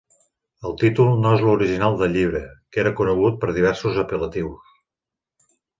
El títol no és l'original del llibre, que era conegut per diversos apel·latius.